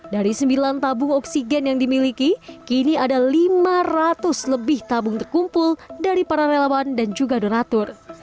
dari sembilan tabung oksigen yang dimiliki kini ada lima ratus lebih tabung terkumpul dari para relawan dan juga donatur